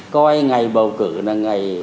coi ngày bầu cử là ngày